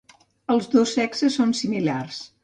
Els dos sexes són similars.